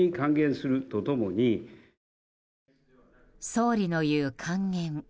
総理の言う還元。